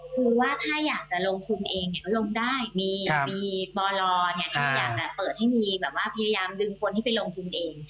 คือว่าถ้าอยากจะลงทุนเองเนี่ยเขาลงได้มีปลอยากจะเปิดให้มีแบบว่าพยายามดึงคนที่ไปลงทุนเอง